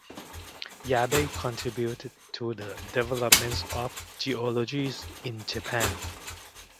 Yabe contributed to the development of geology in Japan.